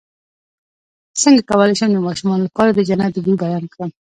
څنګه کولی شم د ماشومانو لپاره د جنت د بوی بیان کړم